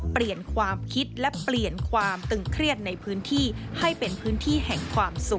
เปลี่ยนความคิดและเปลี่ยนความตึงเครียดในพื้นที่ให้เป็นพื้นที่แห่งความสุข